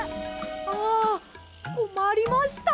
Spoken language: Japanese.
あこまりました。